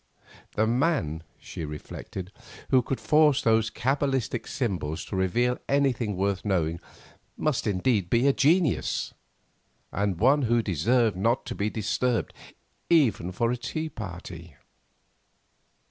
The man, she reflected, who could force those cabalistic symbols to reveal anything worth knowing must indeed be a genius, and one who deserved not to be disturbed, even for a tea party.